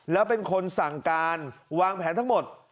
แล้วเป็นคนสั่งการวางแผนทั้งหมด